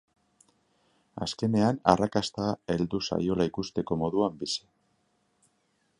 Azkenean arrakasta heldu zaiola ikusteko moduan bizi.